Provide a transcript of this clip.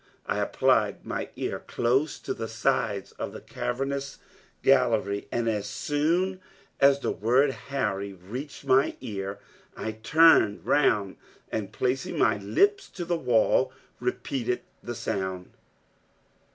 I applied my ear close to the sides of the cavernous gallery, and as soon as the word "Harry" reached my ear, I turned round and, placing my lips to the wall, repeated the sound.